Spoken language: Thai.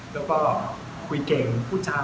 แล้วก็คุยเก่งมากพูดชาว